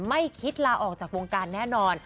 ไม่คิดลาออกจากวงการแน่นอน